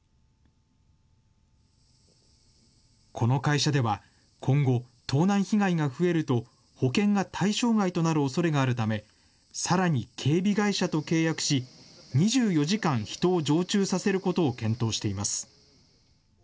この会社では、今後、盗難被害が増えると、保険が対象外となるおそれがあるため、さらに警備会社と契約し、２４時間、人を常駐させることを検討しています。